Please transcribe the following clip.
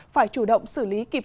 phải chủ động xử lý kịp